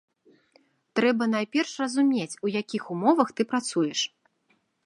Трэба найперш разумець, у якіх умовах ты працуеш.